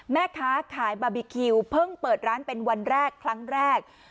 แม่ค้าขายบาร์บีคิวเพิ่งเปิดร้านเป็นวันแรกครั้งแรก